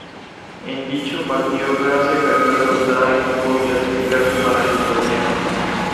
En dicho partido, Francia cayó derrotada y no pudo clasificarse para el torneo.